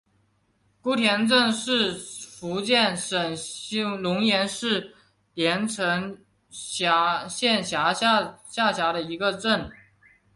姑田镇是福建省龙岩市连城县下辖的一个镇。